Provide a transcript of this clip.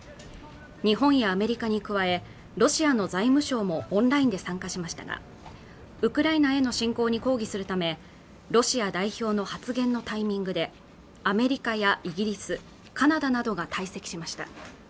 日本やアメリカに加えロシアの財務相もオンラインで参加しましたがウクライナへの侵攻に抗議するためロシア代表の発言のタイミングでアメリカやイギリス、カナダなどが退席しました